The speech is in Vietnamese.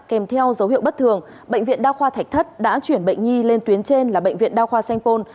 kèm theo dấu hiệu bất thường bệnh viện đa khoa thạch thất đã chuyển bệnh nhi lên tuyến trên là bệnh viện đa khoa sanh pôn